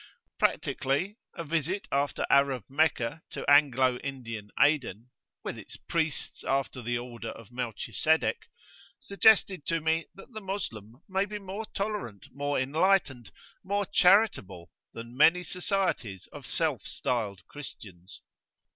Practically, a visit after Arab Meccah to Angle Indian Aden, with its "priests after the order of Melchisedeck," suggested to me that the Moslem may be more tolerant, more enlightened, more charitable, than many societies of self styled Christians.